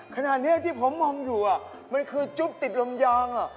ขนาดนี้ที่ผมมองอยู่มันคือจุ๊บติดลมยาง